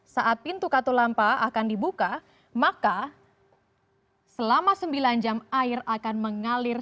saat pintu katulampa akan dibuka maka selama sembilan jam air akan mengalir